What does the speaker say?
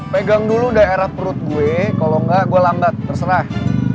begang dulu daerah perut gue kalo gak gue lambat terserah